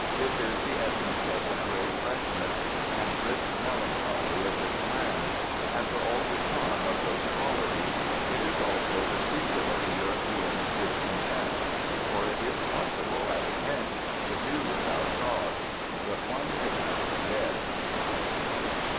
This is the essence of the grey freshness and brisk melancholy of this land. And for all the charm of those qualities, it is also the secret of a European's discontent. For it is possible, at a pinch, to do without gods. But one misses the dead.